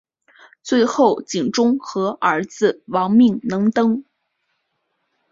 最后景忠和儿子亡命能登。